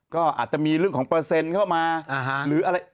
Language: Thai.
ก็อาจจะมีเรื่องของเปอร์เซ็นต์เข้ามาหรืออะไร